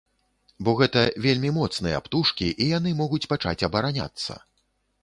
Бо гэта вельмі моцныя птушкі, і яны могуць пачаць абараняцца.